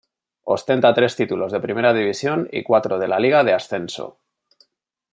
Ostenta tres títulos de Primera División y cuatro de la Liga de Ascenso.